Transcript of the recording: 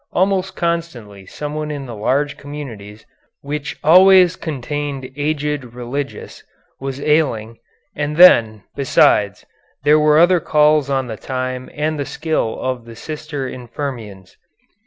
Almost constantly someone in the large communities, which always contained aged religious, was ailing, and then, besides, there were other calls on the time and the skill of the sister infirmarians.